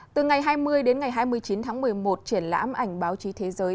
từ ngày hai mươi đến ngày hai mươi chín tháng một mươi một triển lãm ảnh báo chí thế giới